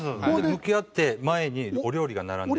向き合って前にお料理が並んでて。